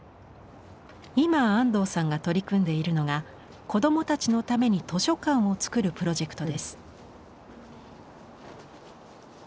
今安藤さんが取り組んでいるのが子どもたちのために図書館をつくるプロジェクトです。